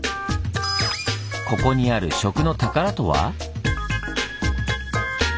ここにある「食の宝」とは？